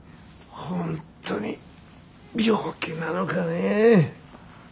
本当に病気なのかねえ。